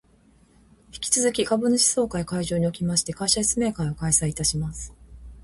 引き続き株主総会会場におきまして、会社説明会を開催いたします